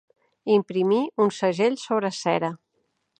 Imprimir un segell sobre cera.